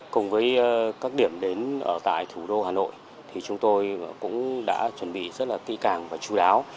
cùng với các điểm đến ở tại thủ đô hà nội thì chúng tôi cũng đã chuẩn bị rất là kỹ càng và chú đáo